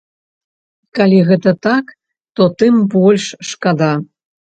Калі гэта так, то тым больш шкада.